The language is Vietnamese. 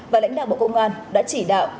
và lãnh đạo bộ cộng an đã chỉ đạo